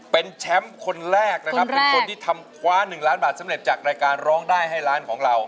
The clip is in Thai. เป็นแชมป์คนแรกนะครับเป็นคนที่ทำคว้า๑ล้านบาทสำเร็จจากรายการร้องได้ให้ล้านของเรา